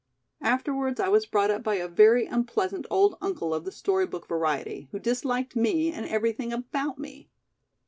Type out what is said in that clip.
Afterwards I was brought up by a very unpleasant old uncle of the story book variety, who disliked me and everything about me.